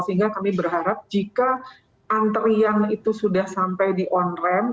sehingga kami berharap jika antrian itu sudah sampai di on rem